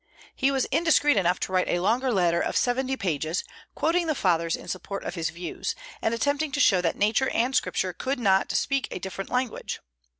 He was indiscreet enough to write a longer letter of seventy pages, quoting the Fathers in support of his views, and attempting to show that Nature and Scripture could not speak a different language.